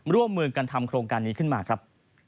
ร่วมมือกันทำโครงการนี้ขึ้นมาครับ